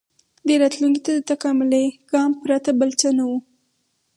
• دې راتلونکي ته د تکاملي ګام پرته بل څه نه و.